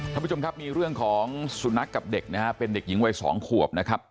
ท่านผู้ชมครับมีเรื่องของสุนัขกับเด็กนะฮะเป็นเด็กหญิงวัยสองขวบนะครับ